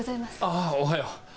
あぁおはよう。